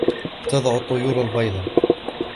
تضع الطيور البيض.